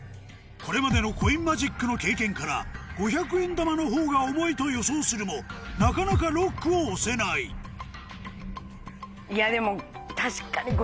これまでのコインマジックの経験から５００円玉のほうが重いと予想するもなかなかＬＯＣＫを押せないでも確かに。